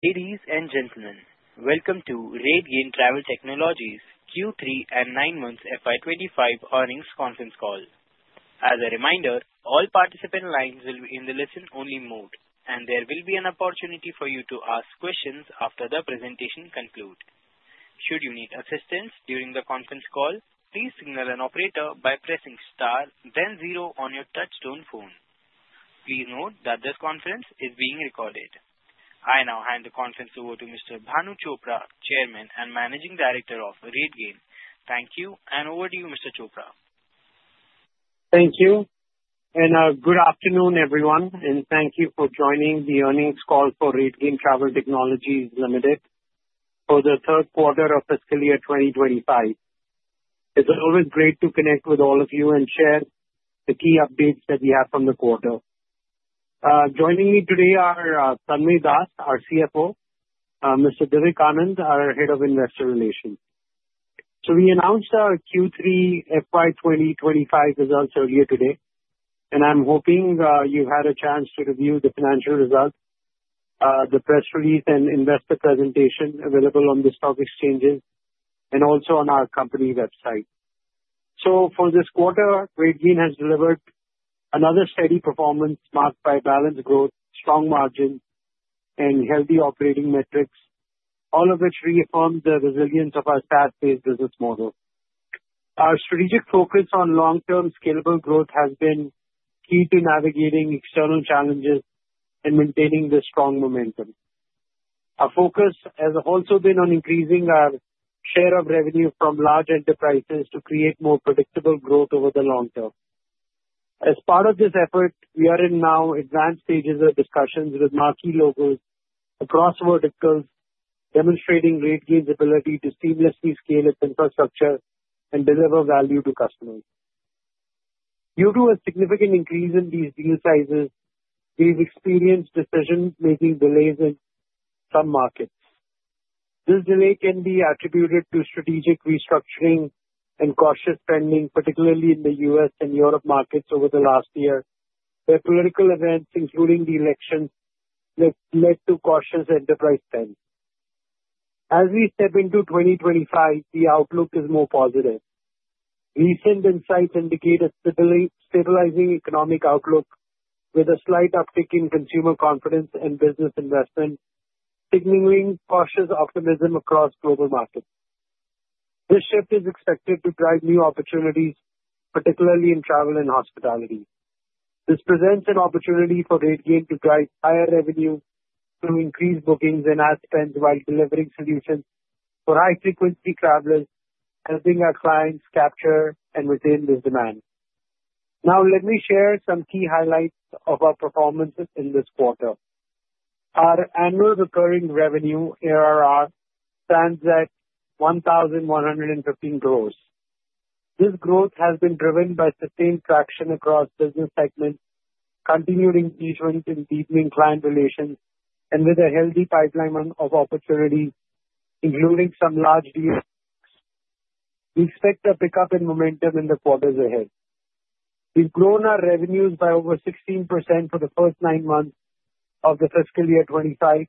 Ladies and gentlemen, welcome to RateGain Travel Technologies' Q3 and 9-month FY 2025 earnings conference call. As a reminder, all participant lines will be in the listen-only mode, and there will be an opportunity for you to ask questions after the presentation concludes. Should you need assistance during the conference call, please signal an operator by pressing star, then zero on your touch-tone phone. Please note that this conference is being recorded. I now hand the conference over to Mr. Bhanu Chopra, Chairman and Managing Director of RateGain. Thank you, and over to you, Mr. Chopra. Thank you. Good afternoon, everyone, and thank you for joining the earnings call for RateGain Travel Technologies Limited for the third quarter of fiscal year 2025. It's always great to connect with all of you and share the key updates that we have from the quarter. Joining me today are Tanmaya Das, our CFO, Mr. Divik Anand, our Head of Investor Relations. So we announced our Q3 FY 2025 results earlier today, and I'm hoping you've had a chance to review the financial results, the press release, and investor presentation available on the stock exchanges and also on our company website. So for this quarter, RateGain has delivered another steady performance marked by balanced growth, strong margins, and healthy operating metrics, all of which reaffirm the resilience of our SaaS-based business model. Our strategic focus on long-term scalable growth has been key to navigating external challenges and maintaining the strong momentum. Our focus has also been on increasing our share of revenue from large enterprises to create more predictable growth over the long term. As part of this effort, we are in now advanced stages of discussions with marquee logos across verticals, demonstrating RateGain's ability to seamlessly scale its infrastructure and deliver value to customers. Due to a significant increase in these deal sizes, we've experienced decision-making delays in some markets. This delay can be attributed to strategic restructuring and cautious spending, particularly in the U.S. and Europe markets over the last year, where political events, including the elections, led to cautious enterprise spend. As we step into 2025, the outlook is more positive. Recent insights indicate a stabilizing economic outlook with a slight uptick in consumer confidence and business investment, signaling cautious optimism across global markets. This shift is expected to drive new opportunities, particularly in travel and hospitality. This presents an opportunity for RateGain to drive higher revenue through increased bookings and ad spends while delivering solutions for high-frequency travelers, helping our clients capture and retain this demand. Now, let me share some key highlights of our performance in this quarter. Our annual recurring revenue, ARR, stands at 1,115 crores. This growth has been driven by sustained traction across business segments, continued engagement in deepening client relations, and with a healthy pipeline of opportunities, including some large deals. We expect a pickup in momentum in the quarters ahead. We've grown our revenues by over 16% for the first nine months of the fiscal year 2025,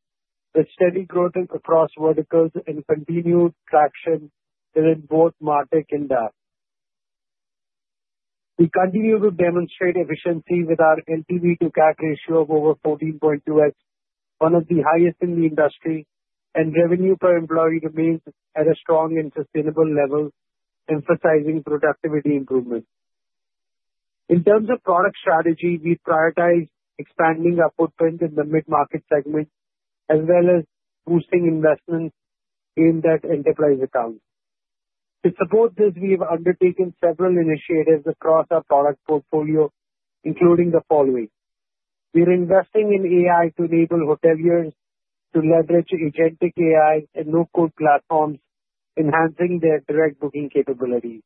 with steady growth across verticals and continued traction within both MarTech and DaaS. We continue to demonstrate efficiency with our LTV-to-CAC ratio of over 14.2x, one of the highest in the industry, and revenue per employee remains at a strong and sustainable level, emphasizing productivity improvement. In terms of product strategy, we prioritize expanding our footprint in the mid-market segment as well as boosting investments in that enterprise account. To support this, we have undertaken several initiatives across our product portfolio, including the following. We are investing in AI to enable hoteliers to leverage agentic AI and no-code platforms, enhancing their direct booking capabilities.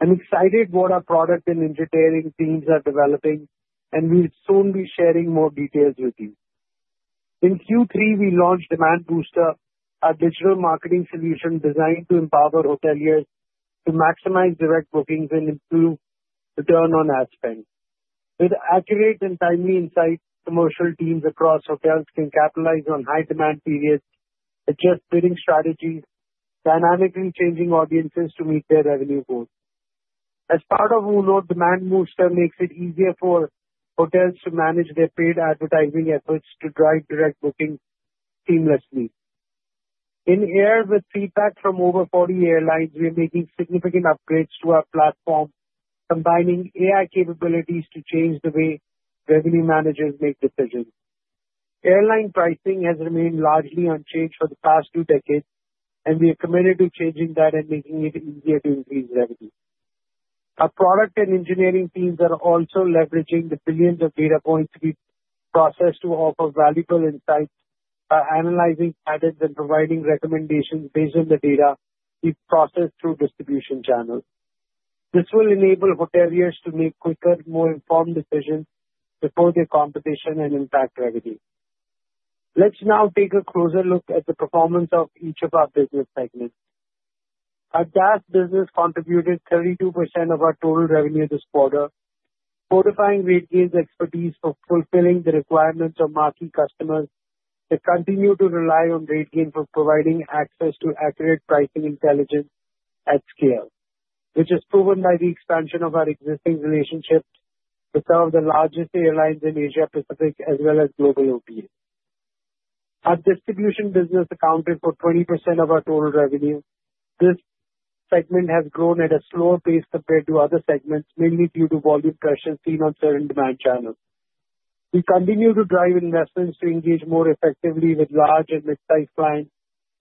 I'm excited about what our product and engineering teams are developing, and we'll soon be sharing more details with you. In Q3, we launched Demand Booster, a digital marketing solution designed to empower hoteliers to maximize direct bookings and improve return on ad spend. With accurate and timely insights, commercial teams across hotels can capitalize on high-demand periods, adjust bidding strategies, and dynamically change audiences to meet their revenue goals. As part of Uno, Demand Booster makes it easier for hotels to manage their paid advertising efforts to drive direct bookings seamlessly. In line with feedback from over 40 airlines, we are making significant upgrades to our platform, combining AI capabilities to change the way revenue managers make decisions. Airline pricing has remained largely unchanged for the past two decades, and we are committed to changing that and making it easier to increase revenue. Our product and engineering teams are also leveraging the billions of data points we process to offer valuable insights by analyzing patterns and providing recommendations based on the data we process through distribution channels. This will enable hoteliers to make quicker, more informed decisions before their competition and impact revenue. Let's now take a closer look at the performance of each of our business segments. Our DaaS business contributed 32% of our total revenue this quarter, fortifying RateGain's expertise for fulfilling the requirements of marquee customers that continue to rely on RateGain for providing access to accurate pricing intelligence at scale, which is proven by the expansion of our existing relationships with some of the largest airlines in Asia-Pacific as well as global OTA. Our distribution business accounted for 20% of our total revenue. This segment has grown at a slower pace compared to other segments, mainly due to volume pressures seen on certain demand channels. We continue to drive investments to engage more effectively with large and mid-sized clients,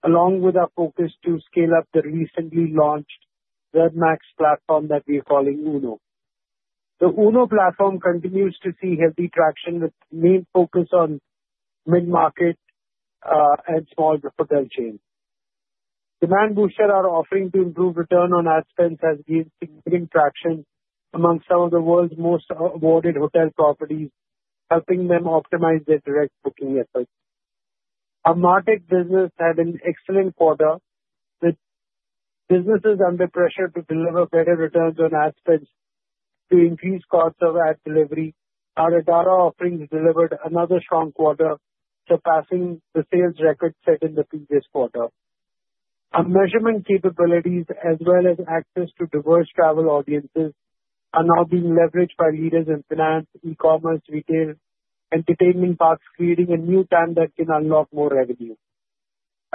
along with our focus to scale up the recently launched RevMax platform that we are calling OONO. The OONO platform continues to see healthy traction with main focus on mid-market and small hotel chains. Demand Booster, our offering to improve return on ad spends, has gained significant traction among some of the world's most awarded hotel properties, helping them optimize their direct booking efforts. Our MarTech business had an excellent quarter, with businesses under pressure to deliver better returns on ad spends to increase costs of ad delivery. Our Adara offerings delivered another strong quarter, surpassing the sales record set in the previous quarter. Our measurement capabilities, as well as access to diverse travel audiences, are now being leveraged by leaders in finance, e-commerce, retail, and entertainment parks, creating a new trend that can unlock more revenue.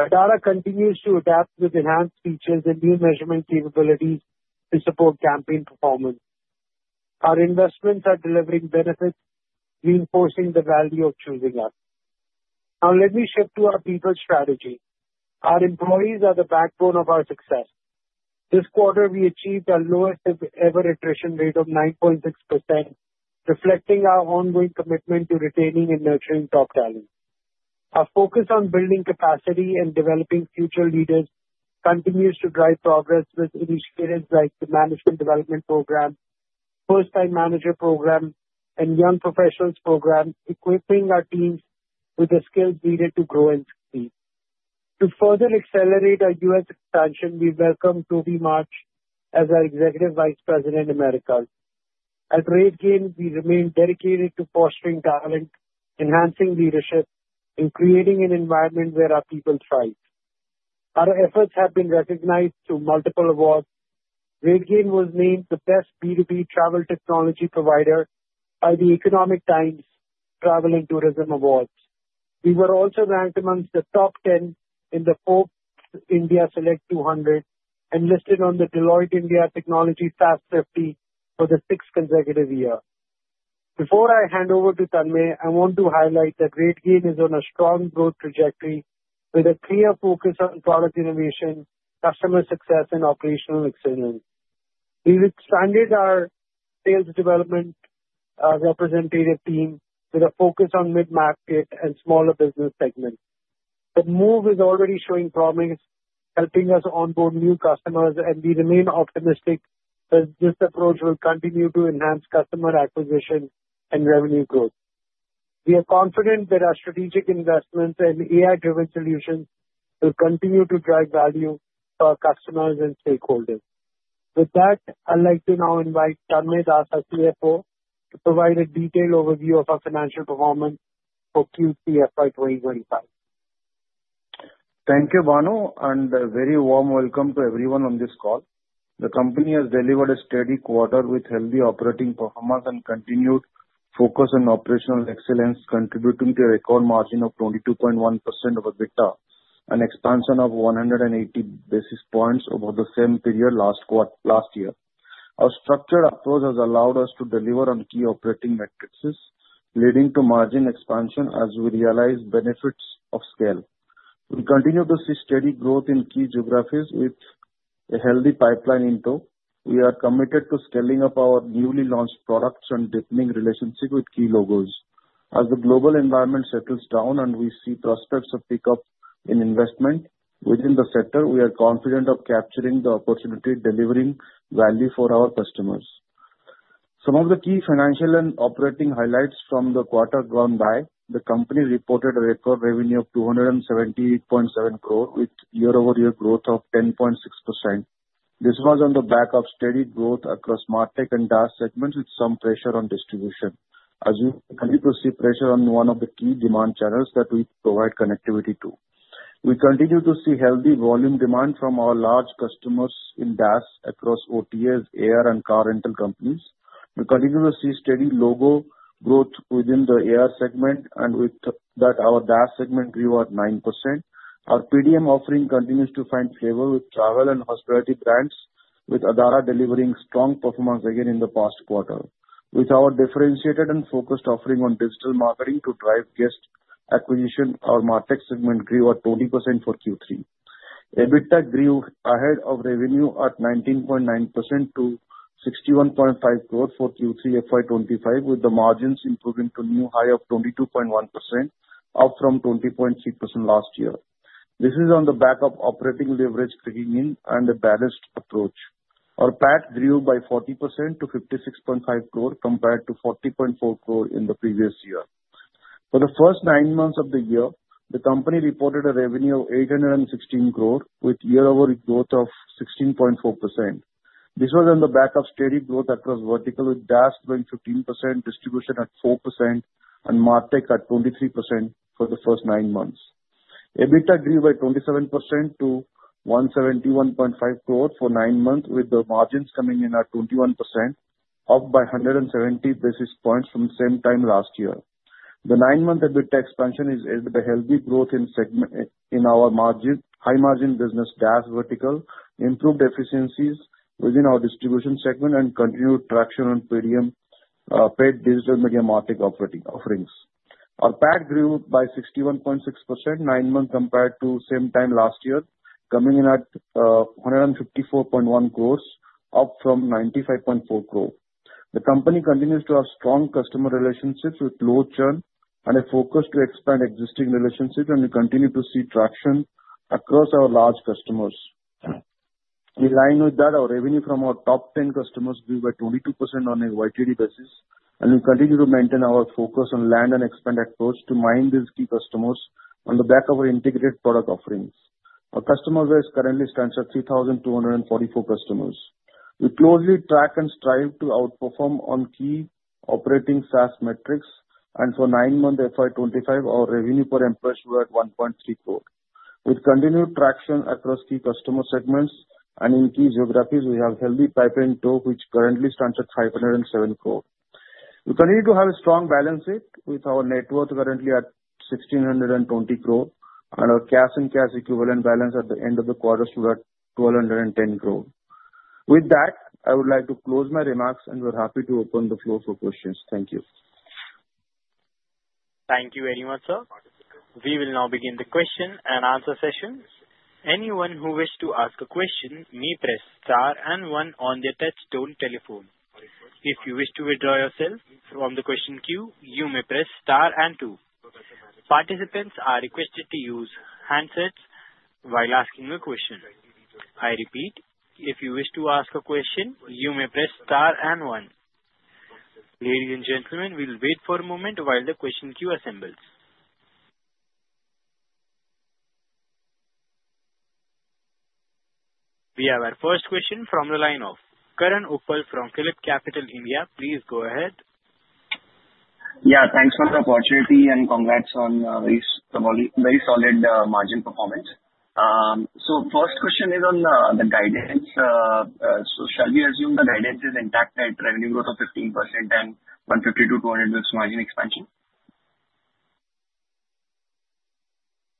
Adara continues to adapt with enhanced features and new measurement capabilities to support campaign performance. Our investments are delivering benefits, reinforcing the value of choosing us. Now, let me shift to our people strategy. Our employees are the backbone of our success. This quarter, we achieved our lowest-ever attrition rate of 9.6%, reflecting our ongoing commitment to retaining and nurturing top talent. Our focus on building capacity and developing future leaders continues to drive progress with initiatives like the Management Development Program, First-Time Manager Program, and Young Professionals Program, equipping our teams with the skills needed to grow and succeed. To further accelerate our U.S. expansion, we welcome Toby March as our Executive Vice President, Americas. At RateGain, we remain dedicated to fostering talent, enhancing leadership, and creating an environment where our people thrive. Our efforts have been recognized through multiple awards. RateGain was named the best B2B travel technology provider by The Economic Times Travel and Tourism Awards. We were also ranked amongst the top 10 in the Forbes India Select 200 and listed on the Deloitte India Technology Fast 50 for the sixth consecutive year. Before I hand over to Tanmaya, I want to highlight that RateGain is on a strong growth trajectory with a clear focus on product innovation, customer success, and operational excellence. We've expanded our sales development representative team with a focus on mid-market and smaller business segments. The move is already showing promise, helping us onboard new customers, and we remain optimistic that this approach will continue to enhance customer acquisition and revenue growth. We are confident that our strategic investments and AI-driven solutions will continue to drive value for our customers and stakeholders. With that, I'd like to now invite Tanmaya Das, our CFO, to provide a detailed overview of our financial performance for Q3 FY 2025. Thank you, Bhanu, and a very warm welcome to everyone on this call. The company has delivered a steady quarter with healthy operating performance and continued focus on operational excellence, contributing to a record margin of 22.1% over quarter and expansion of 180 basis points over the same period last year. Our structured approach has allowed us to deliver on key operating metrics, leading to margin expansion as we realize benefits of scale. We continue to see steady growth in key geographies with a healthy pipeline in tow. We are committed to scaling up our newly launched products and deepening relationships with key logos. As the global environment settles down and we see prospects of pickup in investment within the sector, we are confident of capturing the opportunity, delivering value for our customers. Some of the key financial and operating highlights from the quarter gone by: The company reported a record revenue of 278.7 crore, with year-over-year growth of 10.6%. This was on the back of steady growth across MarTech and DaaS segments, with some pressure on distribution. As you can see, pressure on one of the key demand channels that we provide connectivity to. We continue to see healthy volume demand from our large customers in DaaS across OTA, air, and car rental companies. We continue to see steady logo growth within the air segment, and with that, our DaaS segment grew at 9%. Our PDM offering continues to find favor with travel and hospitality brands, with Adara delivering strong performance again in the past quarter. With our differentiated and focused offering on digital marketing to drive guest acquisition, our MarTech segment grew at 20% for Q3. EBITDA grew ahead of revenue at 19.9% to 61.5 crore for Q3 FY 2025, with the margins improving to a new high of 22.1%, up from 20.3% last year. This is on the back of operating leverage kicking in and a balanced approach. Our PAT grew by 40% to 56.5 crore, compared to 40.4 crore in the previous year. For the first nine months of the year, the company reported a revenue of 816 crore, with year-over-year growth of 16.4%. This was on the back of steady growth across verticals, with DaaS growing 15%, distribution at 4%, and MarTech at 23% for the first nine months. EBITDA grew by 27% to 171.5 crore for nine months, with the margins coming in at 21%, up by 170 basis points from the same time last year. The nine-month EBITDA expansion is aided by healthy growth in our high-margin business, DaaS vertical, improved efficiencies within our distribution segment, and continued traction on PDM, paid digital media, MarTech operating offerings. Our PAT grew by 61.6% nine months compared to the same time last year, coming in at 154.1 crore, up from 95.4 crore. The company continues to have strong customer relationships with low churn and a focus to expand existing relationships, and we continue to see traction across our large customers. In line with that, our revenue from our top 10 customers grew by 22% on a YTD basis, and we continue to maintain our focus on land and expand approach to mine these key customers on the back of our integrated product offerings. Our customer base currently stands at 3,244 customers. We closely track and strive to outperform on key operating SaaS metrics, and for nine months FY 2025, our revenue per employee grew at 1.3 crore. With continued traction across key customer segments and in key geographies, we have a healthy pipeline in tow, which currently stands at 507 crore. We continue to have a strong balance sheet with our net worth currently at 1,620 crore, and our cash and cash equivalent balance at the end of the quarter stood at 1,210 crore. With that, I would like to close my remarks, and we're happy to open the floor for questions. Thank you. Thank you very much, sir. We will now begin the question and answer session. Anyone who wishes to ask a question may press star and one on the touch-tone telephone. If you wish to withdraw yourself from the question queue, you may press star and two. Participants are requested to use handsets while asking a question. I repeat, if you wish to ask a question, you may press star and one. Ladies and gentlemen, we'll wait for a moment while the question queue assembles. We have our first question from the line of Karan Uppal from Phillip Capital India. Please go ahead. Yeah, thanks for the opportunity and congrats on a very solid margin performance. So first question is on the guidance. So shall we assume the guidance is intact at revenue growth of 15% and 150 to 200 with margin expansion?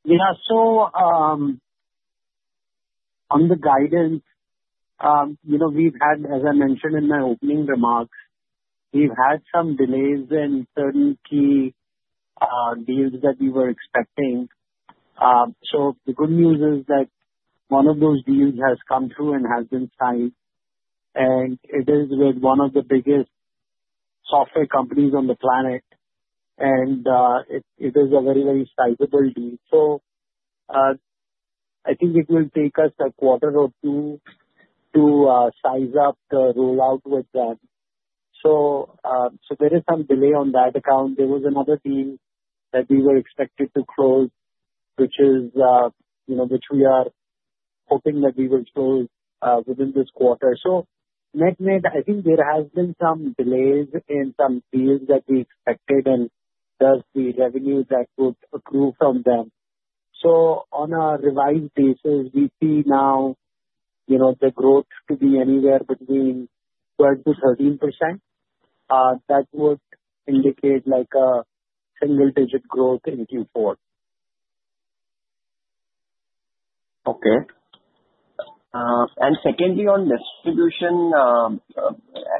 Yeah, so on the guidance, we've had, as I mentioned in my opening remarks, we've had some delays in certain key deals that we were expecting. So the good news is that one of those deals has come through and has been signed, and it is with one of the biggest software companies on the planet, and it is a very, very sizable deal. So I think it will take us a quarter or two to size up the rollout with them. So there is some delay on that account. There was another deal that we were expected to close, which we are hoping that we will close within this quarter. So I think there have been some delays in some deals that we expected and thus the revenue that would accrue from them. So on a revised basis, we see now the growth to be anywhere between 12%-13%. That would indicate a single-digit growth in Q4. Okay. And secondly, on distribution,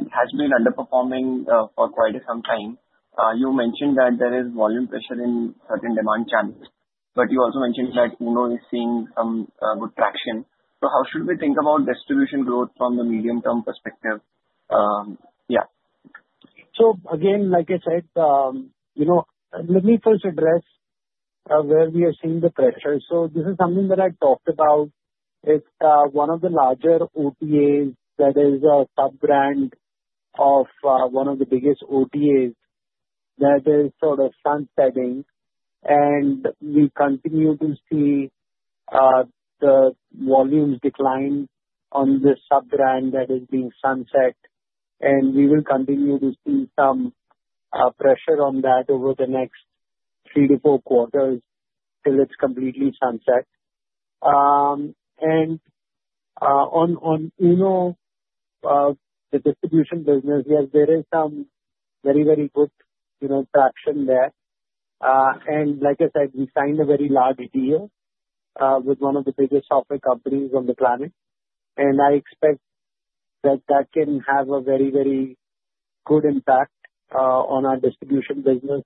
it has been underperforming for quite some time. You mentioned that there is volume pressure in certain demand channels, but you also mentioned that OONO is seeing some good traction. So how should we think about distribution growth from the medium-term perspective? Yeah. So again, like I said, let me first address where we are seeing the pressure. This is something that I talked about. It's one of the larger OTAs that is a sub-brand of one of the biggest OTAs that is sort of sunsetting, and we continue to see the volumes decline on this sub-brand that is being sunset. We will continue to see some pressure on that over the next three to four quarters till it's completely sunset. On OONO, the distribution business, there is some very, very good traction there. Like I said, we signed a very large deal with one of the biggest software companies on the planet, and I expect that that can have a very, very good impact on our distribution business.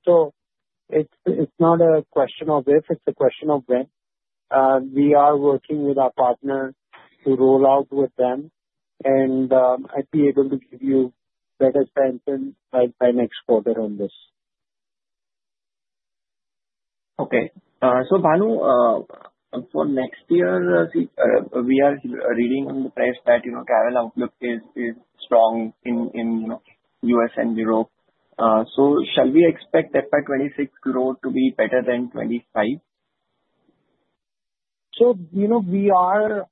It's not a question of if; it's a question of when. We are working with our partners to roll out with them, and I'd be able to give you better standing by next quarter on this. Okay. Bhanu, for next year, we are reading in the press that travel outlook is strong in the U.S. and Europe. Shall we expect FY 2026 growth to be better than 2025? We are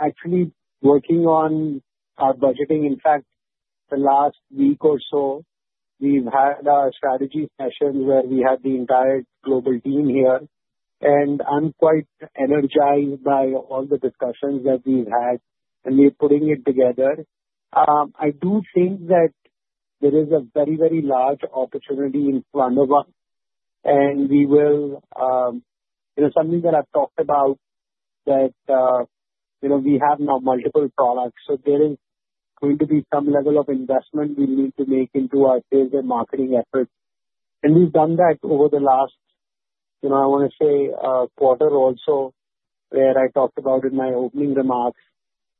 actually working on our budgeting. In fact, the last week or so, we've had our strategy sessions where we had the entire global team here, and I'm quite energized by all the discussions that we've had, and we're putting it together. I do think that there is a very, very large opportunity in the SaaS arena, and we will, something that I've talked about, that we have now multiple products. There is going to be some level of investment we need to make into our sales and marketing efforts. We've done that over the last, I want to say, quarter also where I talked about in my opening remarks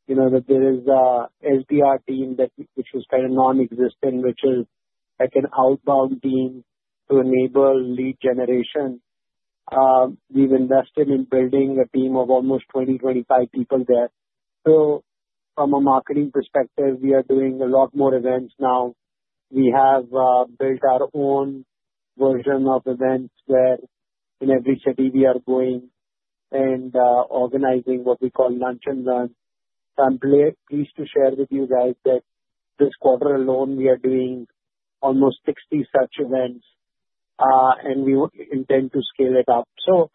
that there is an SDR team which is kind of non-existent, which is like an outbound team to enable lead generation. We've invested in building a team of almost 20-25 people there. So from a marketing perspective, we are doing a lot more events now. We have built our own version of events where in every city we are going and organizing what we call lunch and learn. I'm pleased to share with you guys that this quarter alone, we are doing almost 60 such events, and we intend to scale it up. So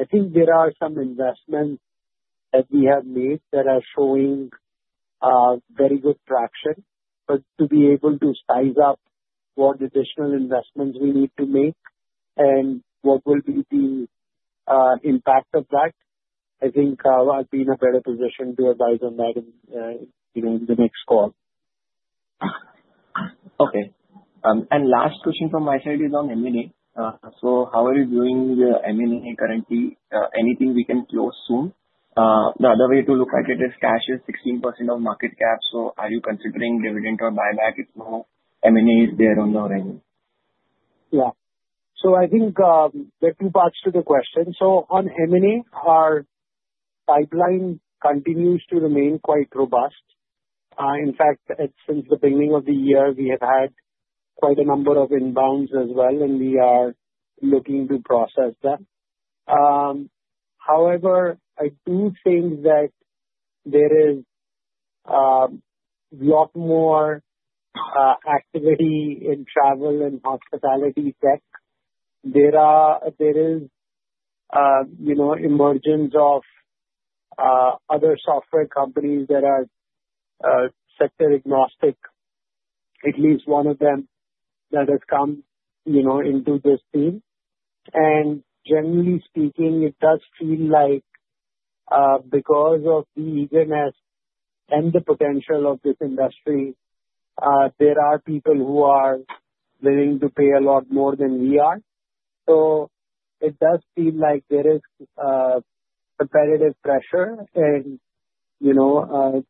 I think there are some investments that we have made that are showing very good traction. But to be able to size up what additional investments we need to make and what will be the impact of that, I think I'll be in a better position to advise on that in the next call. Okay. And last question from my side is on M&A. So how are you doing with M&A currently? Anything we can close soon? The other way to look at it is cash is 16% of market cap. So are you considering dividend or buyback if no M&A is there on the horizon? Yeah. So I think there are two parts to the question. So on M&A, our pipeline continues to remain quite robust. In fact, since the beginning of the year, we have had quite a number of inbounds as well, and we are looking to process them. However, I do think that there is a lot more activity in travel and hospitality tech. There is emergence of other software companies that are sector-agnostic, at least one of them that has come into this team. And generally speaking, it does feel like because of the eagerness and the potential of this industry, there are people who are willing to pay a lot more than we are. So it does feel like there is competitive pressure, and the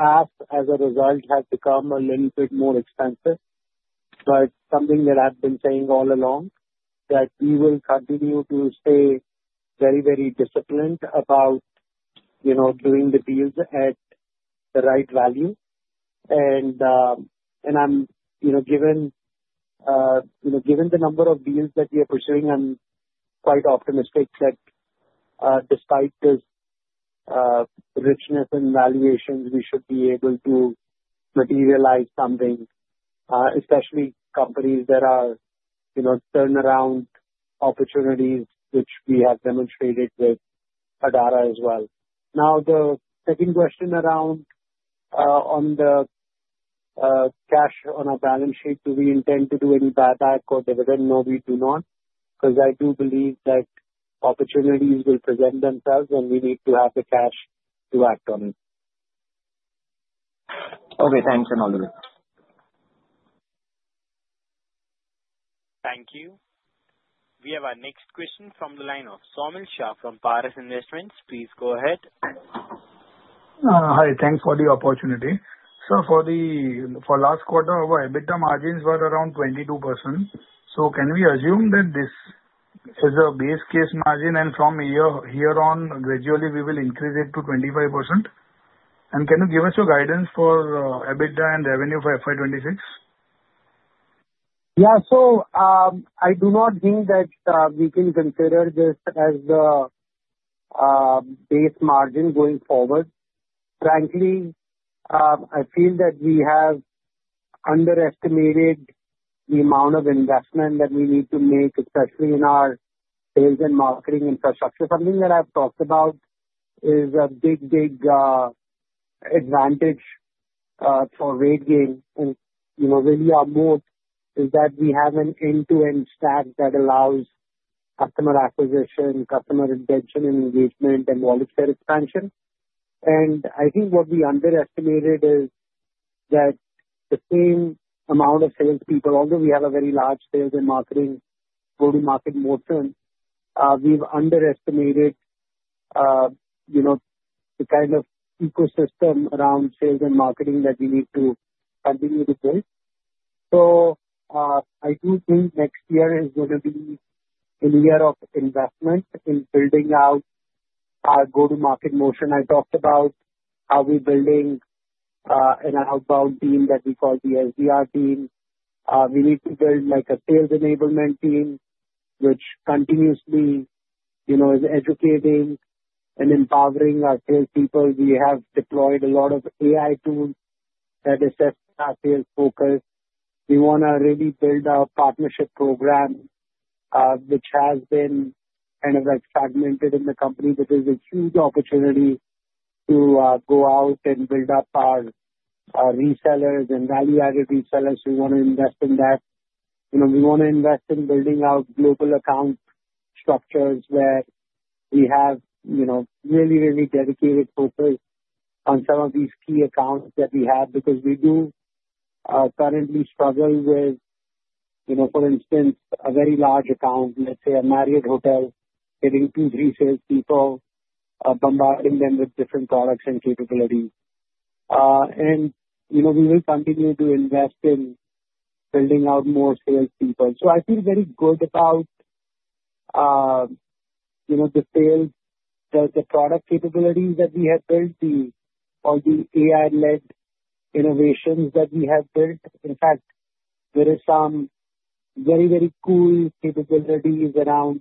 ask as a result has become a little bit more expensive. But something that I've been saying all along is that we will continue to stay very, very disciplined about doing the deals at the right value. And given the number of deals that we are pursuing, I'm quite optimistic that despite this richness in valuations, we should be able to materialize something, especially companies that are turnaround opportunities, which we have demonstrated with Adara as well. Now, the second question around on the cash on our balance sheet, do we intend to do any buyback or dividend? No, we do not, because I do believe that opportunities will present themselves, and we need to have the cash to act on it. Okay. Thanks, Bhanu. Thank you. We have our next question from the line of Saumil Shah from Paras Investments. Please go ahead. Hi. Thanks for the opportunity. So for last quarter, our EBITDA margins were around 22%. So can we assume that this is a base case margin, and from here on, gradually we will increase it to 25%? And can you give us your guidance for EBITDA and revenue for FY 2026? Yeah, so I do not think that we can consider this as the base margin going forward. Frankly, I feel that we have underestimated the amount of investment that we need to make, especially in our sales and marketing infrastructure. Something that I've talked about is a big, big advantage for RateGain, and really, our moat is that we have an end-to-end stack that allows customer acquisition, customer retention, and engagement, and voluntary expansion, and I think what we underestimated is that the same amount of salespeople, although we have a very large sales and marketing go-to-market motion, we've underestimated the kind of ecosystem around sales and marketing that we need to continue to build. So I do think next year is going to be a year of investment in building out our go-to-market motion. I talked about how we're building an outbound team that we call the SDR team. We need to build a sales enablement team which continuously is educating and empowering our salespeople. We have deployed a lot of AI tools that assess our sales focus. We want to really build our partnership program, which has been kind of fragmented in the company. But there's a huge opportunity to go out and build up our resellers and value-added resellers. We want to invest in that. We want to invest in building out global account structures where we have really, really dedicated focus on some of these key accounts that we have because we do currently struggle with, for instance, a very large account, let's say a Marriott hotel, getting two, three salespeople, bombarding them with different products and capabilities. And we will continue to invest in building out more salespeople. I feel very good about the product capabilities that we have built or the AI-led innovations that we have built. In fact, there are some very, very cool capabilities around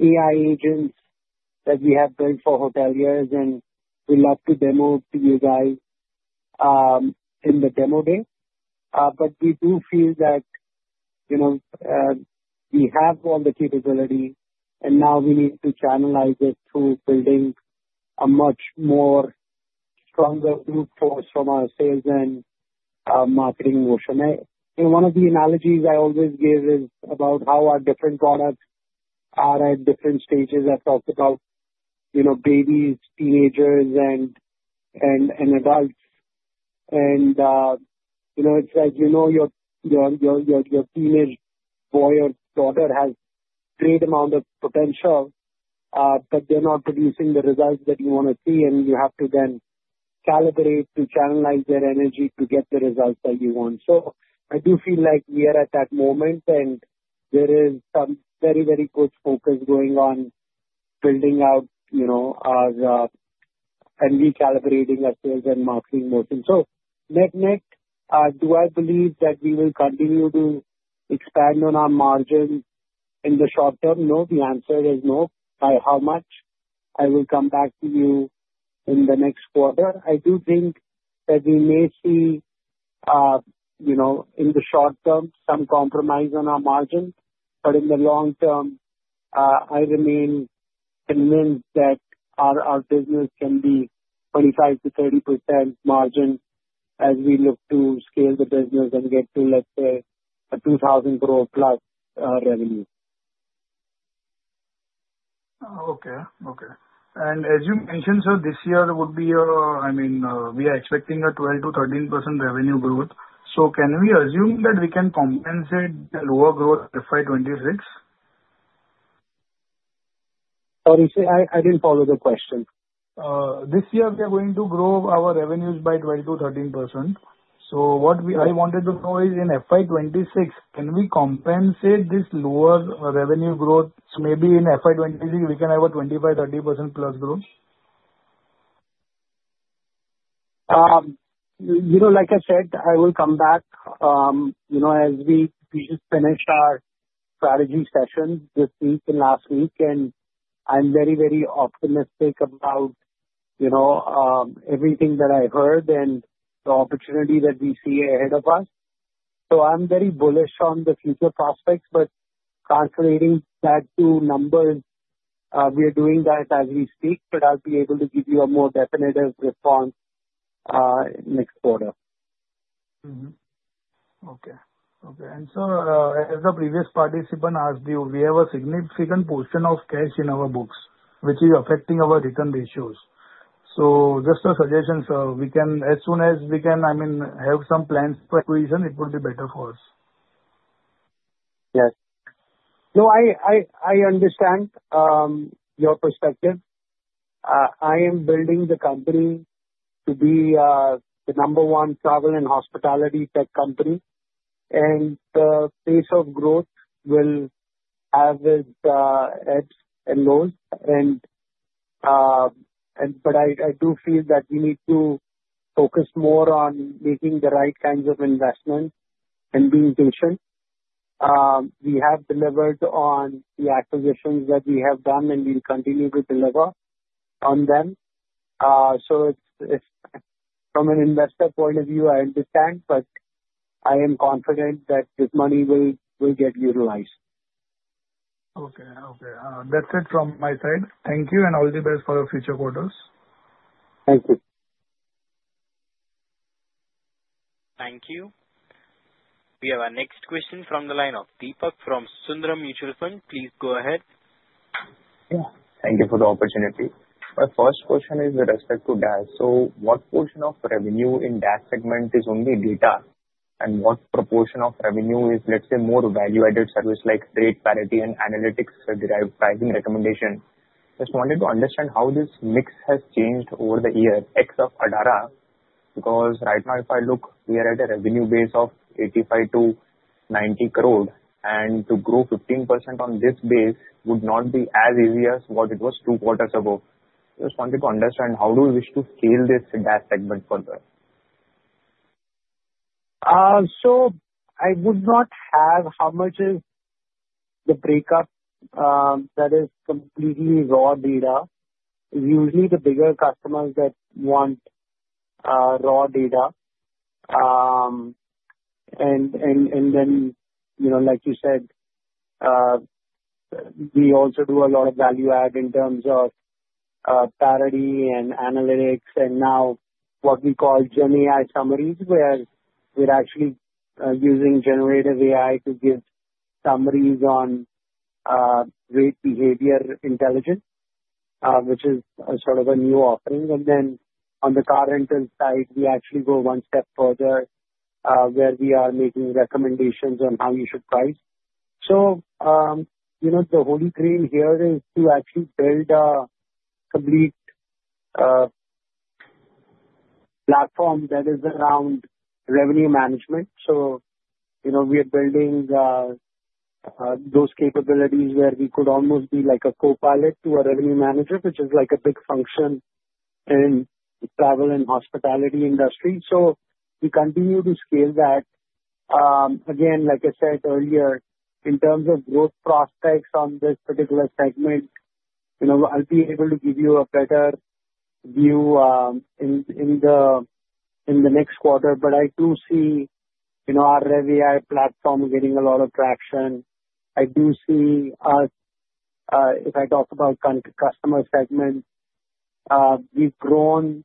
AI agents that we have built for hoteliers, and we'd love to demo to you guys in the demo day. But we do feel that we have all the capabilities, and now we need to channelize it through building a much more stronger group force from our sales and marketing motion. One of the analogies I always give is about how our different products are at different stages. I've talked about babies, teenagers, and adults. It's like you know your teenage boy or daughter has a great amount of potential, but they're not producing the results that you want to see, and you have to then calibrate to channelize their energy to get the results that you want. So I do feel like we are at that moment, and there is some very, very good focus going on building out our and recalibrating our sales and marketing motion. So net net, do I believe that we will continue to expand on our margin in the short term? No, the answer is no. By how much? I will come back to you in the next quarter. I do think that we may see in the short term some compromise on our margin, but in the long term, I remain convinced that our business can be 25%-30% margin as we look to scale the business and get to, let's say, a 2,000-crore-plus revenue. And as you mentioned, so this year would be—I mean, we are expecting a 12%-13% revenue growth. So can we assume that we can compensate the lower growth FY 2026? Sorry, I didn't follow the question. This year, we are going to grow our revenues by 12%-13%. So what I wanted to know is in FY 2026, can we compensate this lower revenue growth? So maybe in FY 2026, we can have a 25%-30% plus growth? Like I said, I will come back as we just finished our strategy session this week and last week, and I'm very, very optimistic about everything that I heard and the opportunity that we see ahead of us. So I'm very bullish on the future prospects, but translating that to numbers, we are doing that as we speak, but I'll be able to give you a more definitive response next quarter. Okay. Okay. And so as the previous participant asked you, we have a significant portion of cash in our books, which is affecting our return ratios. So just a suggestion, so we can, as soon as we can, I mean, have some plans for acquisition, it would be better for us. Yes. No, I understand your perspective. I am building the company to be the number one travel and hospitality tech company, and the pace of growth will have its ebbs and lows. But I do feel that we need to focus more on making the right kinds of investments and being patient. We have delivered on the acquisitions that we have done, and we'll continue to deliver on them. So from an investor point of view, I understand, but I am confident that this money will get utilized. Okay. Okay. That's it from my side. Thank you, and all the best for the future quarters. Thank you. Thank you. We have our next question from the line of Deepak from Sundaram Mutual Fund. Please go ahead. Yeah. Thank you for the opportunity. My first question is with respect to DaaS. So what portion of revenue in DaaS segment is only data? And what proportion of revenue is, let's say, more value-added service like rate parity and analytics-derived pricing recommendation? Just wanted to understand how this mix has changed over the year one of Adara because right now, if I look, we are at a revenue base of 85 crore-90 crore, and to grow 15% on this base would not be as easy as what it was two quarters ago. Just wanted to understand how do we wish to scale this DaaS segment further? So I would not have how much is the breakup that is completely raw data. Usually, the bigger customers that want raw data. And then, like you said, we also do a lot of value-add in terms of parity and analytics. And now what we call GenAI summaries, where we're actually using generative AI to give summaries on rate behavior intelligence, which is sort of a new offering. And then on the car rental side, we actually go one step further where we are making recommendations on how you should price. The holy grail here is to actually build a complete platform that is around revenue management. We are building those capabilities where we could almost be like a copilot to a revenue manager, which is like a big function in the travel and hospitality industry. We continue to scale that. Again, like I said earlier, in terms of growth prospects on this particular segment, I'll be able to give you a better view in the next quarter. But I do see our RevAI platform getting a lot of traction. I do see us, if I talk about customer segment, we've grown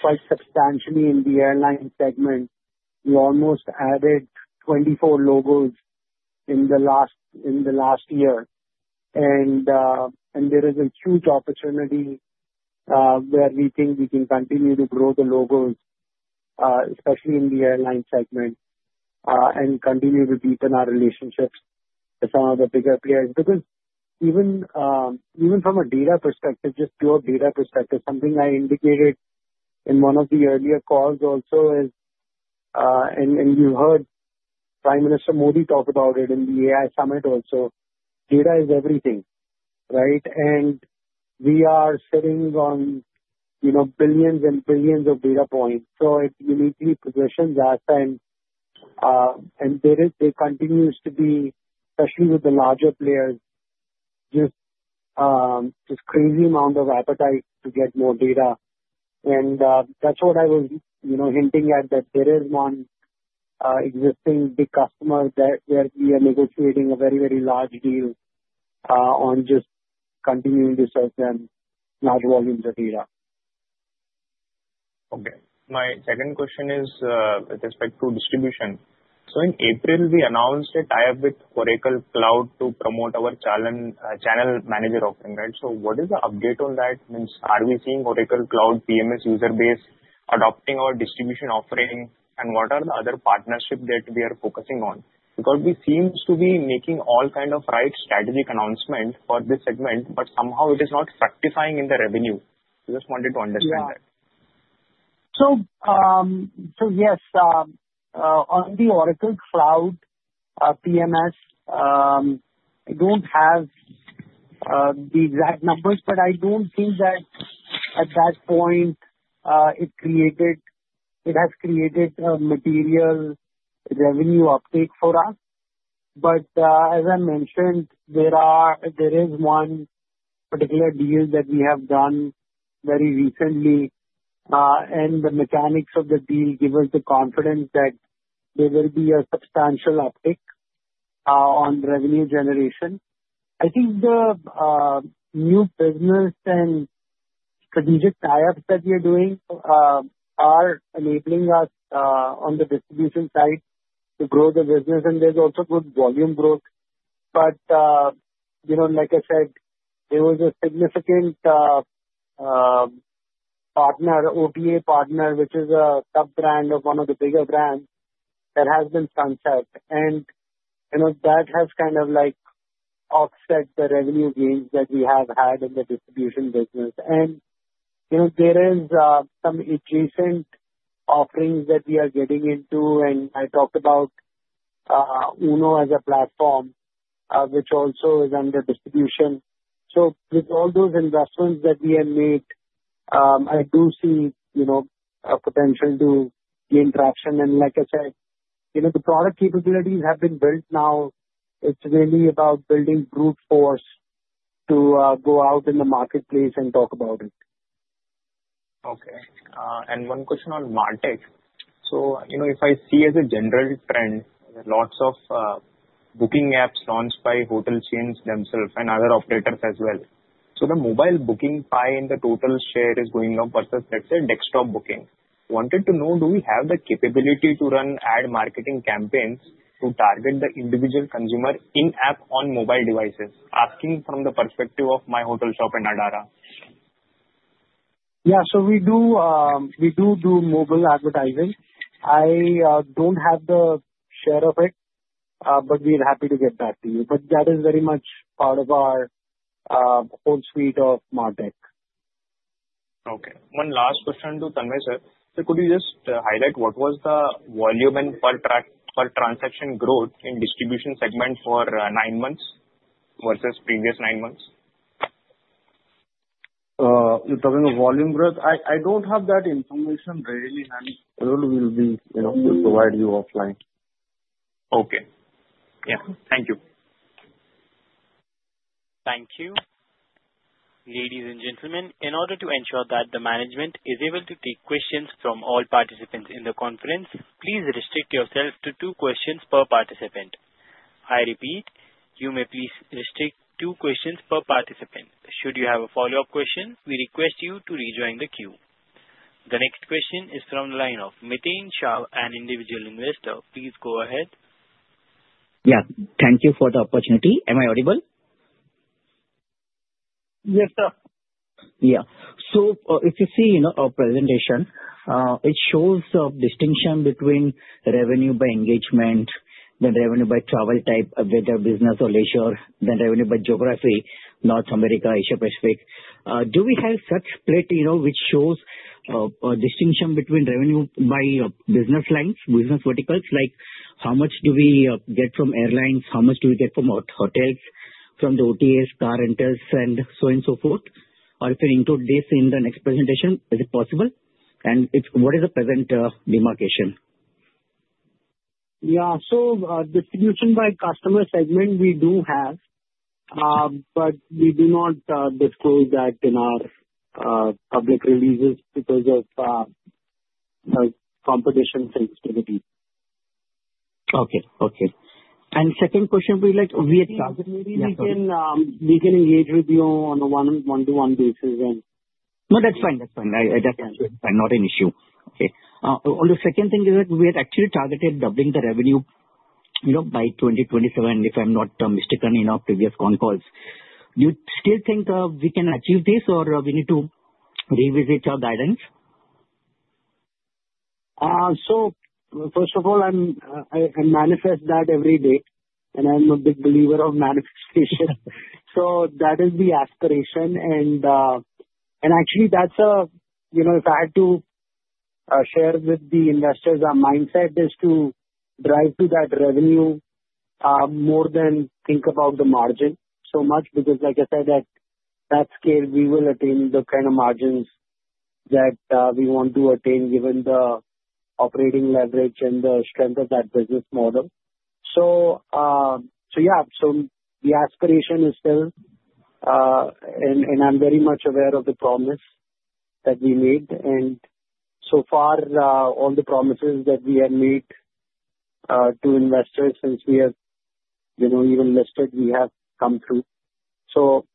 quite substantially in the airline segment. We almost added 24 logos in the last year. And there is a huge opportunity where we think we can continue to grow the logos, especially in the airline segment, and continue to deepen our relationships with some of the bigger players. Because even from a data perspective, just pure data perspective, something I indicated in one of the earlier calls also is, and you heard Prime Minister Modi talk about it in the AI summit also, data is everything, right? And we are sitting on billions and billions of data points. So it uniquely positions us. And there is, there continues to be, especially with the larger players, just this crazy amount of appetite to get more data. And that's what I was hinting at, that there is one existing big customer where we are negotiating a very, very large deal on just continuing to serve them large volumes of data. Okay. My second question is with respect to distribution. So in April, we announced a tie-up with Oracle Cloud to promote our channel manager offering, right? So what is the update on that? I mean, are we seeing Oracle Cloud PMS user base adopting our distribution offering? And what are the other partnerships that we are focusing on? Because we seem to be making all kinds of right strategic announcements for this segment, but somehow it is not fructifying in the revenue. I just wanted to understand that. So yes, on the Oracle Cloud PMS, I don't have the exact numbers, but I don't think that at that point it has created a material revenue uptake for us. But as I mentioned, there is one particular deal that we have done very recently, and the mechanics of the deal give us the confidence that there will be a substantial uptake on revenue generation. I think the new business and strategic tie-ups that we are doing are enabling us on the distribution side to grow the business, and there's also good volume growth. But like I said, there was a significant partner, OTA partner, which is a sub-brand of one of the bigger brands that has been sunset. And that has kind of offset the revenue gains that we have had in the distribution business. And there are some adjacent offerings that we are getting into. And I talked about Uno as a platform, which also is under distribution. So with all those investments that we have made, I do see a potential to gain traction. And like I said, the product capabilities have been built now. It's really about building brute force to go out in the marketplace and talk about it. Okay. And one question on MarTech. So if I see as a general trend, lots of booking apps launched by hotel chains themselves and other operators as well. So the mobile booking pie in the total share is going up versus, let's say, desktop booking. Wanted to know, do we have the capability to run ad marketing campaigns to target the individual consumer in-app on mobile devices? Asking from the perspective of my hotel shop in Adara. Yeah, so we do do mobile advertising. I don't have the share of it, but we are happy to get that to you. But that is very much part of our whole suite of MarTech. Okay. One last question to Tanmaya sir. So could you just highlight what was the volume and per transaction growth in distribution segment for nine months versus previous nine months? You're talking about volume growth? I don't have that information ready, and I will be able to provide you offline. Okay. Yeah. Thank you. Thank you. Ladies and gentlemen, in order to ensure that the management is able to take questions from all participants in the conference, please restrict yourself to two questions per participant. I repeat, you may please restrict two questions per participant. Should you have a follow-up question, we request you to rejoin the queue. The next question is from the line of Miten Shah, an individual investor. Please go ahead. Yeah. Thank you for the opportunity. Am I audible? Yes, sir. Yeah. So if you see our presentation, it shows a distinction between revenue by engagement, then revenue by travel type, whether business or leisure, then revenue by geography, North America, Asia Pacific. Do we have such a slide which shows a distinction between revenue by business lines, business verticals, like how much do we get from airlines, how much do we get from hotels, from the OTAs, car rentals, and so on and so forth? Or if you include this in the next presentation, is it possible? And what is the present demarcation? Yeah. So distribution by customer segment, we do have, but we do not disclose that in our public releases because of competition sensitivity. Okay. Okay. And second question, we had targeted maybe we can engage with you on a one-to-one basis and. No, that's fine. That's fine. I definitely understand. Not an issue. Okay. On the second thing is that we had actually targeted doubling the revenue by 2027, if I'm not mistaken, in our previous con calls. Do you still think we can achieve this, or we need to revisit your guidance? So first of all, I manifest that every day, and I'm a big believer of manifestation. So that is the aspiration. And actually, that's if I had to share with the investors, our mindset is to drive to that revenue more than think about the margin so much because, like I said, at that scale, we will attain the kind of margins that we want to attain given the operating leverage and the strength of that business model. So yeah, so the aspiration is still, and I'm very much aware of the promise that we made. And so far, all the promises that we have made to investors since we have even listed, we have come through. So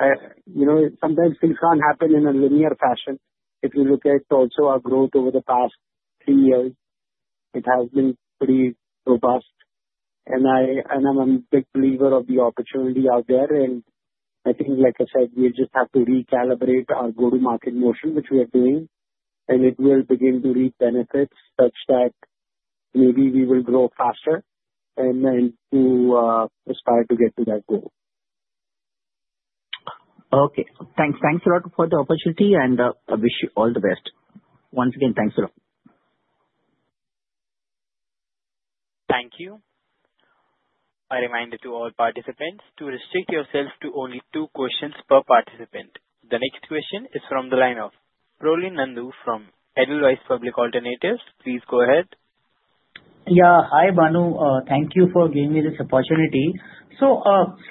sometimes things can't happen in a linear fashion. If you look at also our growth over the past three years, it has been pretty robust. I'm a big believer of the opportunity out there. I think, like I said, we just have to recalibrate our go-to-market motion, which we are doing. It will begin to reap benefits such that maybe we will grow faster and then to aspire to get to that goal. Okay. Thanks. Thanks a lot for the opportunity, and I wish you all the best. Once again, thanks a lot. Thank you. A reminder to all participants to restrict yourself to only two questions per participant. The next question is from the line of Parin Nandu from Edelweiss Public Alternatives. Please go ahead. Yeah. Hi, Bhanu. Thank you for giving me this opportunity. So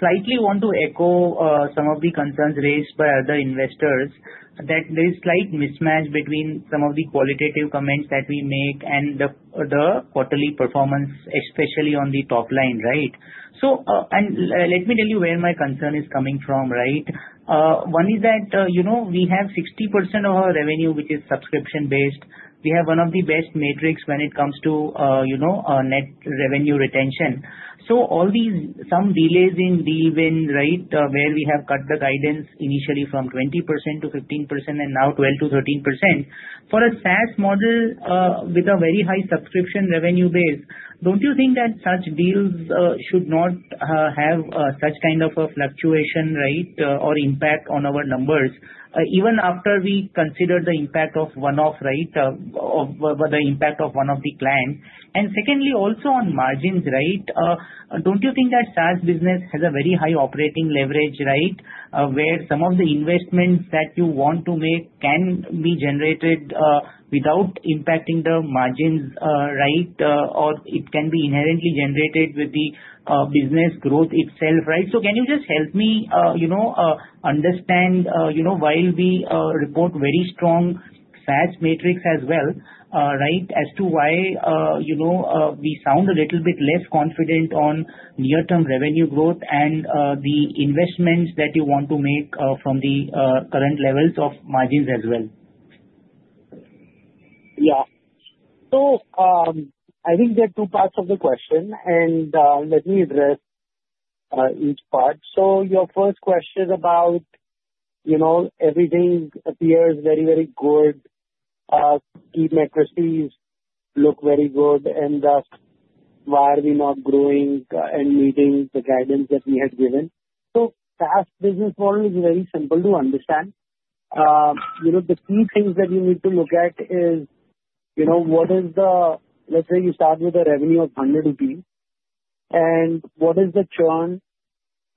slightly want to echo some of the concerns raised by other investors that there is slight mismatch between some of the qualitative comments that we make and the quarterly performance, especially on the top line, right? And let me tell you where my concern is coming from, right? One is that we have 60% of our revenue, which is subscription-based. We have one of the best metrics when it comes to net revenue retention. So all these some delays in the win, right, where we have cut the guidance initially from 20%-15% and now 12%-13%. For a SaaS model with a very high subscription revenue base, don't you think that such deals should not have such kind of a fluctuation, right, or impact on our numbers, even after we consider the impact of one-off, right, or the impact of one of the clients? And secondly, also on margins, right, don't you think that SaaS business has a very high operating leverage, right, where some of the investments that you want to make can be generated without impacting the margins, right? Or it can be inherently generated with the business growth itself, right? So can you just help me understand while we report very strong SaaS metrics as well, right, as to why we sound a little bit less confident on near-term revenue growth and the investments that you want to make from the current levels of margins as well? Yeah. So I think there are two parts of the question, and let me address each part. So your first question about everything appears very, very good. Key metrics look very good. And why are we not growing and meeting the guidance that we had given? So SaaS business model is very simple to understand. The key things that you need to look at is what is the, let's say you start with a revenue of 100 rupees, and what is the churn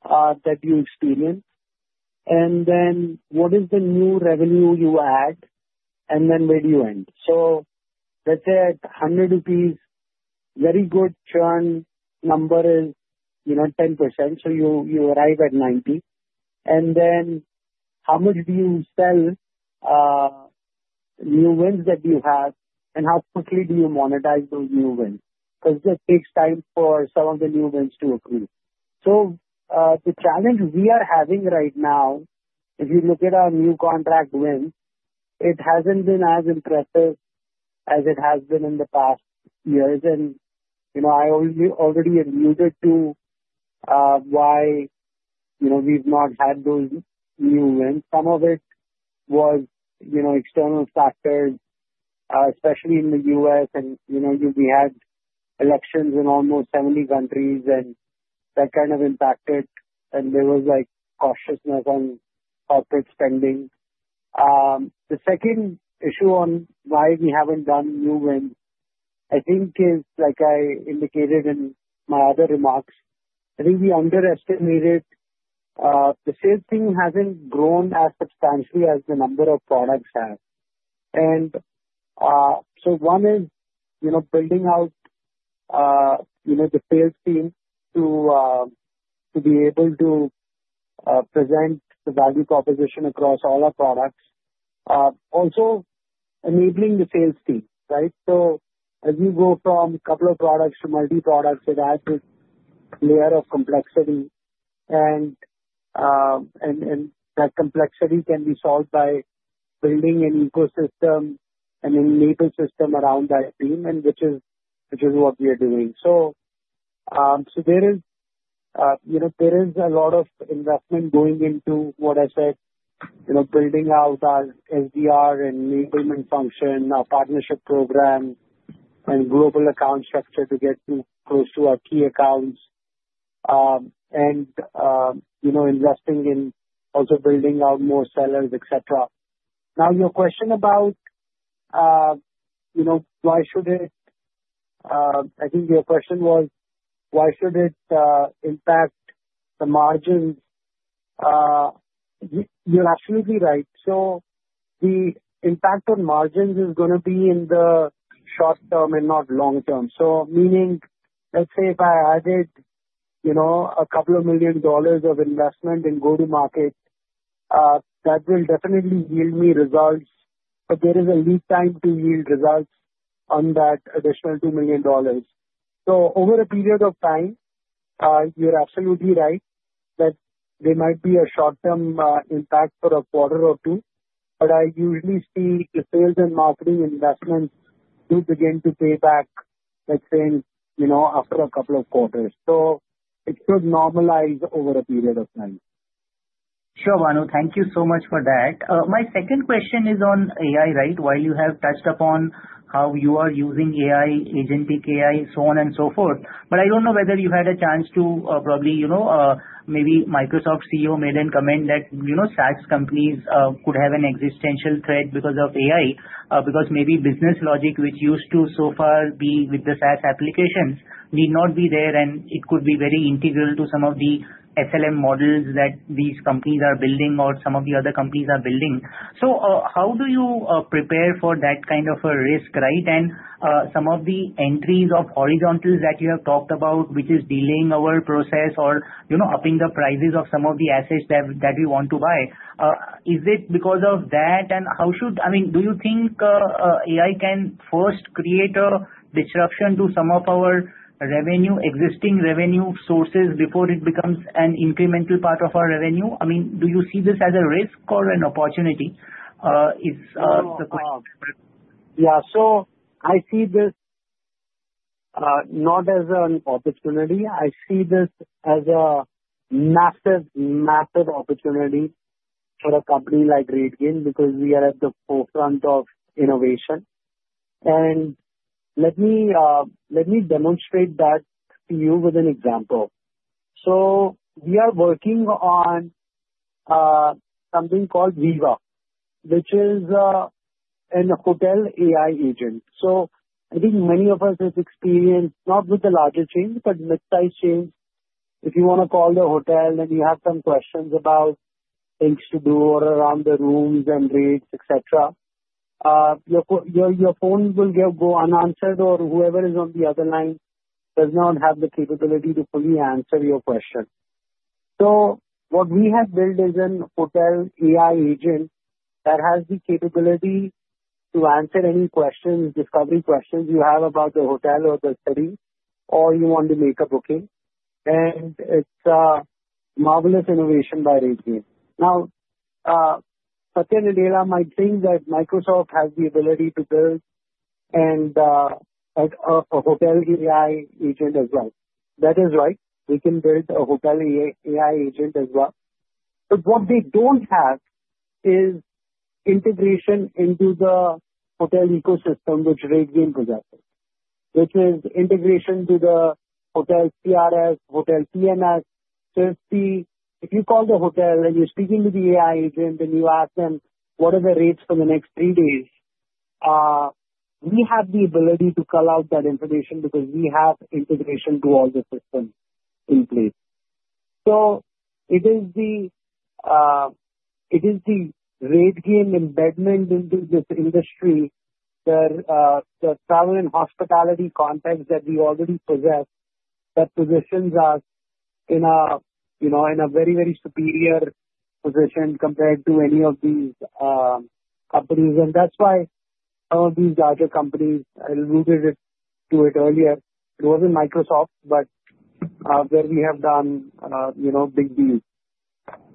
that you experience? And then what is the new revenue you add, and then where do you end? So let's say at 100 rupees, very good churn number is 10%, so you arrive at 90. And then how much do you sell new wins that you have, and how quickly do you monetize those new wins? Because it takes time for some of the new wins to accrue. The challenge we are having right now, if you look at our new contract win, it hasn't been as impressive as it has been in the past years. And I already alluded to why we've not had those new wins. Some of it was external factors, especially in the U.S., and we had elections in almost 70 countries, and that kind of impacted, and there was cautiousness on corporate spending. The second issue on why we haven't done new wins, I think, is like I indicated in my other remarks. I think we underestimated the sales team hasn't grown as substantially as the number of products have. And so one is building out the sales team to be able to present the value proposition across all our products. Also, enabling the sales team, right? As you go from a couple of products to multi-products, it adds a layer of complexity. And that complexity can be solved by building an ecosystem and an enabling system around that team, which is what we are doing. So there is a lot of investment going into what I said, building out our SDR and enablement function, our partnership program, and global account structure to get close to our key accounts, and investing in also building out more sellers, etc. Now, your question about why should it I think your question was, why should it impact the margins? You're absolutely right. So the impact on margins is going to be in the short term and not long term. So meaning, let's say if I added $2 million of investment in go-to-market, that will definitely yield me results. But there is a lead time to yield results on that additional $2 million. So over a period of time, you're absolutely right that there might be a short-term impact for a quarter or two. But I usually see the sales and marketing investments do begin to pay back, let's say, after a couple of quarters. So it should normalize over a period of time. Sure, Bhanu. Thank you so much for that. My second question is on AI, right? While you have touched upon how you are using AI, agentic AI, so on and so forth. But I don't know whether you had a chance to probably maybe Microsoft CEO made a comment that SaaS companies could have an existential threat because of AI, because maybe business logic, which used to so far be with the SaaS applications, need not be there, and it could be very integral to some of the SLM models that these companies are building or some of the other companies are building. So how do you prepare for that kind of a risk, right? Some of the entries of horizontals that you have talked about, which is delaying our process or upping the prices of some of the assets that we want to buy, is it because of that? How should I mean, do you think AI can first create a disruption to some of our existing revenue sources before it becomes an incremental part of our revenue? I mean, do you see this as a risk or an opportunity? It's the question. Yeah. So I see this not as an opportunity. I see this as a massive, massive opportunity for a company like RateGain because we are at the forefront of innovation. And let me demonstrate that to you with an example. So we are working on something called Reva, which is a hotel AI agent. So I think many of us have experienced not with the larger chains, but mid-size chains. If you want to call the hotel and you have some questions about things to do or around the rooms and rates, etc., your phone will go unanswered, or whoever is on the other line does not have the capability to fully answer your question. So what we have built is a hotel AI agent that has the capability to answer any questions, discovery questions you have about the hotel or the city, or you want to make a booking. It's a marvelous innovation by RateGain. Now, Satya Nadella might think that Microsoft has the ability to build a hotel AI agent as well. That is right. We can build a hotel AI agent as well. But what they don't have is integration into the hotel ecosystem, which RateGain possesses, which is integration to the hotel CRS, hotel PMS. If you call the hotel and you're speaking to the AI agent, then you ask them, "What are the rates for the next three days?" We have the ability to call out that information because we have integration to all the systems in place. It is the RateGain embeddment into this industry that the travel and hospitality context that we already possess that positions us in a very, very superior position compared to any of these companies. And that's why some of these larger companies, I alluded to it earlier. It wasn't Microsoft, but where we have done big deals.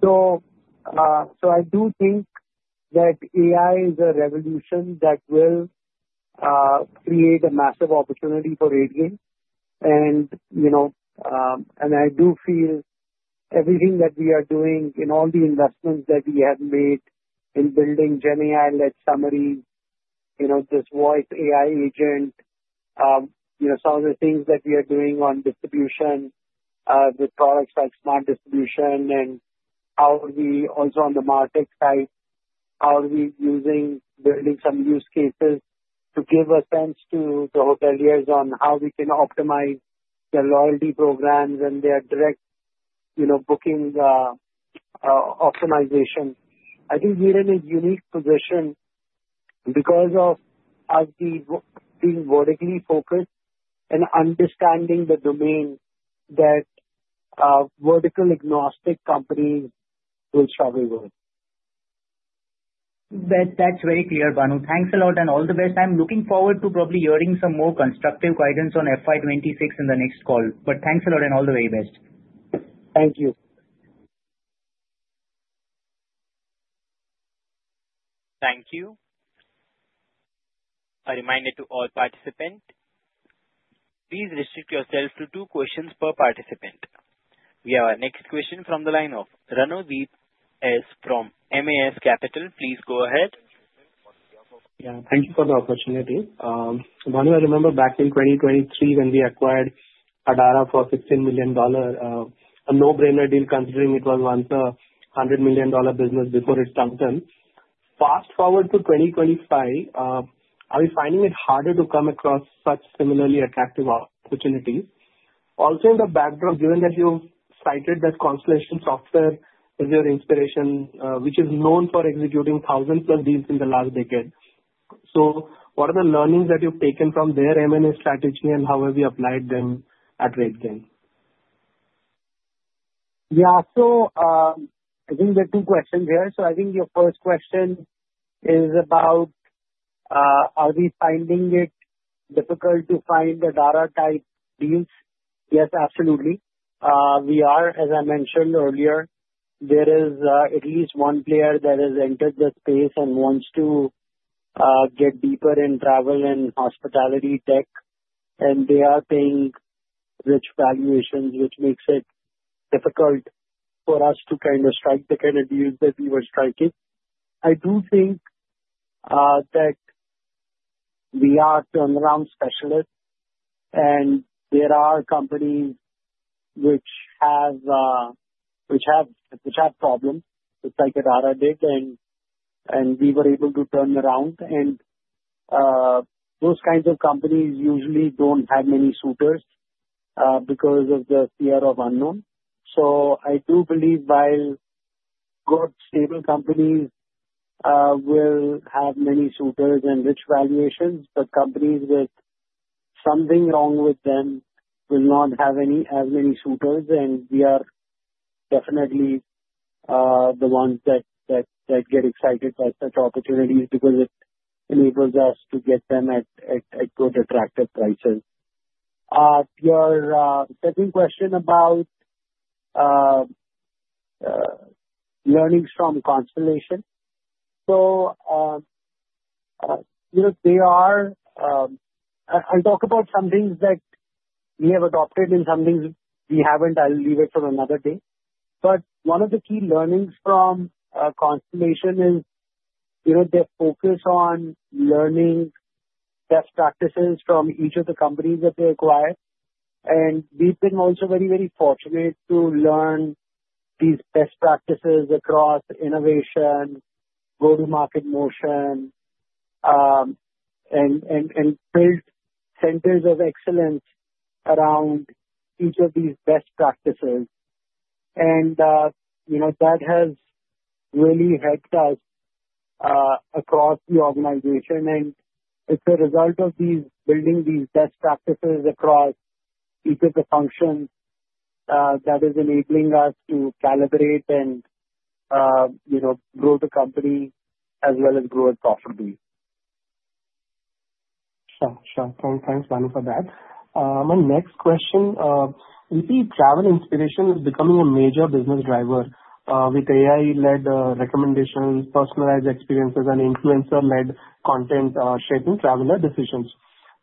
So I do think that AI is a revolution that will create a massive opportunity for RateGain. And I do feel everything that we are doing in all the investments that we have made in building GenAI-led summaries, this voice AI agent, some of the things that we are doing on distribution with products like smart distribution and how we also on the market side, how are we using, building some use cases to give a sense to the hoteliers on how we can optimize their loyalty programs and their direct booking optimization. I think we're in a unique position because of us being vertically focused and understanding the domain that vertical agnostic companies will struggle with. That's very clear, Bhanu. Thanks a lot and all the best. I'm looking forward to probably hearing some more constructive guidance on FY 2026 in the next call. But thanks a lot and all the very best. Thank you. Thank you. A reminder to all participants, please restrict yourselves to two questions per participant. We have our next question from the line of Ranodeep Sen from MAS Capital. Please go ahead. Yeah. Thank you for the opportunity. Bhanu, I remember back in 2023 when we acquired Adara for a $15 million, a no-brainer deal considering it was once a $100 million business before it sunk in. Fast forward to 2025, are we finding it harder to come across such similarly attractive opportunities? Also in the backdrop, given that you cited that Constellation Software as your inspiration, which is known for executing 1000+ deals in the last decade, so what are the learnings that you've taken from their M&A strategy and how have you applied them at RateGain? Yeah. So I think there are two questions here. So I think your first question is about, are we finding it difficult to find Adara-type deals? Yes, absolutely. We are. As I mentioned earlier, there is at least one player that has entered the space and wants to get deeper in travel and hospitality tech. And they are paying rich valuations, which makes it difficult for us to kind of strike the kind of deals that we were striking. I do think that we are turnaround specialists, and there are companies which have problems, just like Adara did, and we were able to turn around. And those kinds of companies usually don't have many suitors because of the fear of unknown. So I do believe while good, stable companies will have many suitors and rich valuations, but companies with something wrong with them will not have as many suitors. And we are definitely the ones that get excited by such opportunities because it enables us to get them at good, attractive prices. Your second question about learnings from Constellation. So I'll talk about some things that we have adopted and some things we haven't. I'll leave it for another day. But one of the key learnings from Constellation is their focus on learning best practices from each of the companies that they acquired. And we've been also very, very fortunate to learn these best practices across innovation, go-to-market motion, and build centers of excellence around each of these best practices. And that has really helped us across the organization. And it's a result of building these best practices across each of the functions that is enabling us to calibrate and grow the company as well as grow it profitably. Sure. Sure. Thanks, Bhanu, for that. My next question: We see travel inspiration is becoming a major business driver with AI-led recommendations, personalized experiences, and influencer-led content shaping traveler decisions.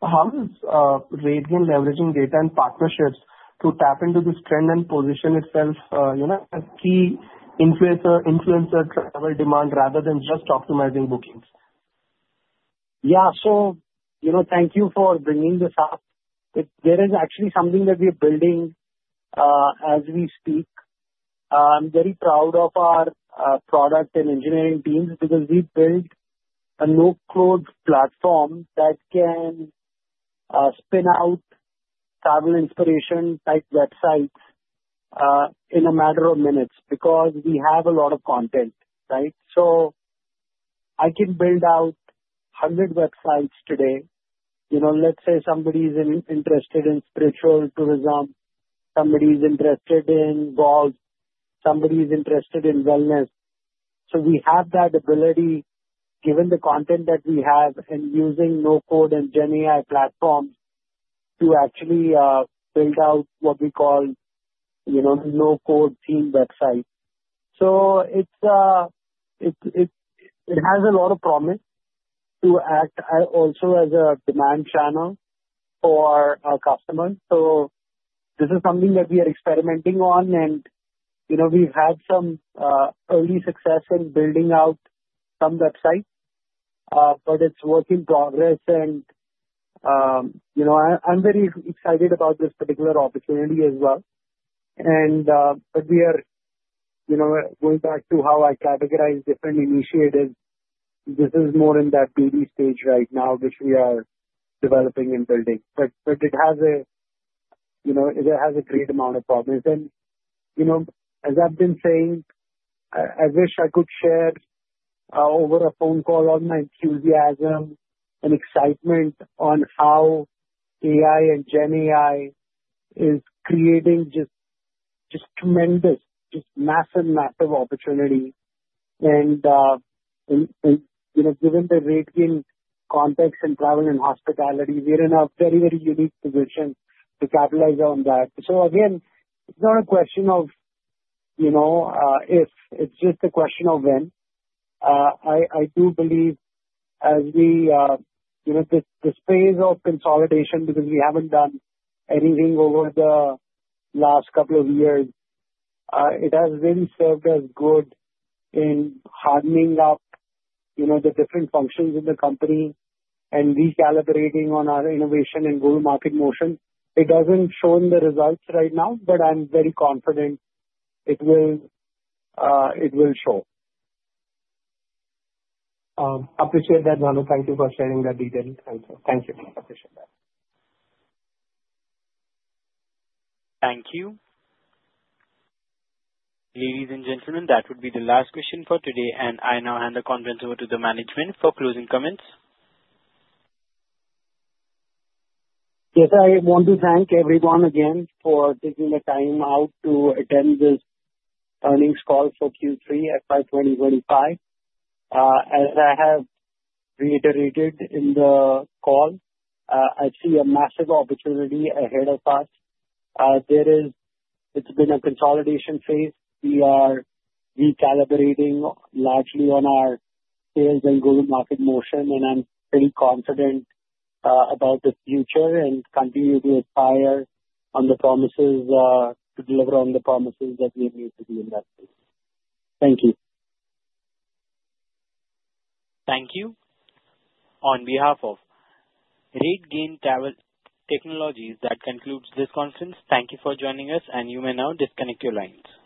How is RateGain leveraging data and partnerships to tap into this trend and position itself as a key influencer in travel demand rather than just optimizing bookings? Yeah. So thank you for bringing this up. There is actually something that we are building as we speak. I'm very proud of our product and engineering teams because we built a no-code platform that can spin out travel inspiration-type websites in a matter of minutes because we have a lot of content, right? So I can build out 100 websites today. Let's say somebody is interested in spiritual tourism, somebody is interested in golf, somebody is interested in wellness. So we have that ability, given the content that we have, and using no-code and GenAI platforms to actually build out what we call no-code theme websites. So it has a lot of promise to act also as a demand channel for our customers. So this is something that we are experimenting on. And we've had some early success in building out some websites, but it's a work in progress. I'm very excited about this particular opportunity as well. We are going back to how I categorize different initiatives. This is more in that baby stage right now, which we are developing and building. It has a great amount of promise. As I've been saying, I wish I could share over a phone call all my enthusiasm and excitement on how AI and GenAI is creating just tremendous, just massive, massive opportunity. Given the RateGain context and travel and hospitality, we are in a very, very unique position to capitalize on that. Again, it's not a question of if. It's just a question of when. I do believe as we enter the space of consolidation, because we haven't done anything over the last couple of years, it has really served us good in hardening up the different functions in the company and recalibrating on our innovation and go-to-market motion. It hasn't shown the results right now, but I'm very confident it will show. Appreciate that, Ranodeep. Thank you for sharing that detail. Thank you. Appreciate that. Thank you. Ladies and gentlemen, that would be the last question for today. And I now hand the conference over to the management for closing comments. Yes. I want to thank everyone again for taking the time out to attend this earnings call for Q3, FY 2025. As I have reiterated in the call, I see a massive opportunity ahead of us. It's been a consolidation phase. We are recalibrating largely on our sales and go-to-market motion, and I'm pretty confident about the future and continue to aspire on the promises to deliver on the promises that we have made to the investors. Thank you. Thank you. On behalf of RateGain Travel Technologies, that concludes this conference. Thank you for joining us, and you may now disconnect your lines.